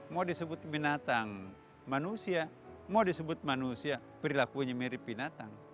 mau disebut binatang manusia mau disebut manusia perilakunya mirip binatang